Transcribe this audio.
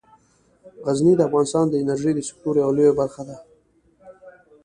غزني د افغانستان د انرژۍ د سکتور یوه لویه برخه ده.